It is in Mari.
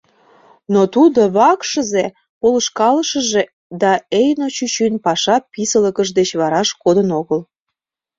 Но тудо вакшызе, полышкалышыже да Эйно чӱчӱн паша писылыкышт деч вараш кодын огыл.